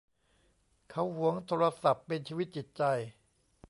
เขาหวงโทรศัพท์เป็นชีวิตจิตใจ